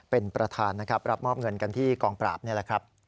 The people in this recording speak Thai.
เป็นประธานนะครับรับมอบเงินกันที่กองปราบนี่แหละครับ